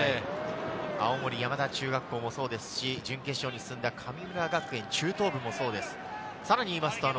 青森山田中学校もそうですし、準決勝に進んだ中等部もそうです。